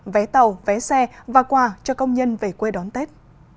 vé tàu vé xe và quà cho công nhân về quê đón tết